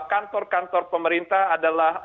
kantor kantor pemerintah adalah